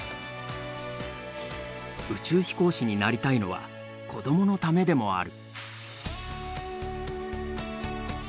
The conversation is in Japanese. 宇宙飛行士になりたいのは子どものためでもある。